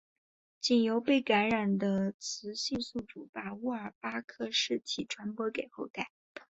仅由被感染的雌性宿主把沃尔巴克氏体传播给后代。